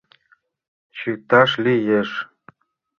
Чыташ лиеш!